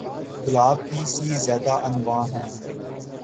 گلاب کی سے زیادہ انواع ہیں